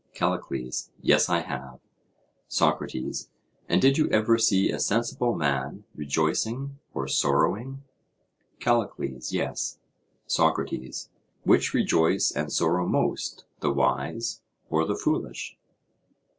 CALLICLES: Yes, I have. SOCRATES: And did you ever see a sensible man rejoicing or sorrowing? CALLICLES: Yes. SOCRATES: Which rejoice and sorrow most—the wise or the foolish?